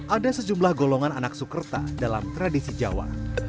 ada sejumlah golongan anak sukerta dalam tradisi jawa